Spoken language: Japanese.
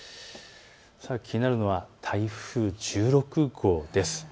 気になるのは台風１６号です。